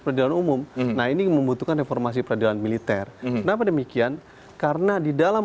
peradilan umum nah ini membutuhkan reformasi peradilan militer kenapa demikian karena di dalam